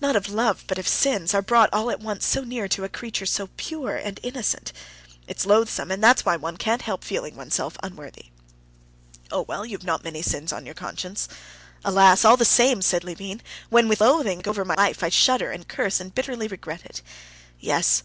not of love, but of sins ... are brought all at once so near to a creature pure and innocent; it's loathsome, and that's why one can't help feeling oneself unworthy." "Oh, well, you've not many sins on your conscience." "Alas! all the same," said Levin, "when with loathing I go over my life, I shudder and curse and bitterly regret it.... Yes."